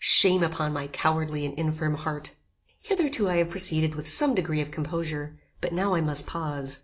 Shame upon my cowardly and infirm heart! Hitherto I have proceeded with some degree of composure, but now I must pause.